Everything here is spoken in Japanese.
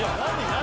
何？